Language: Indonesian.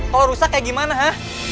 kalau rusak kayak gimana ya